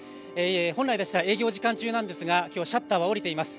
本来ですと営業時間中なんですがきょうシャッターはおりています。